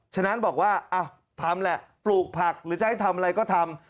ฉะนั้นบอกว่าทำแหละปลูกผักหรือจะให้ทำอะไรก็ทำ